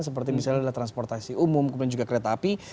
seperti misalnya adalah transportasi umum kemudian juga kereta api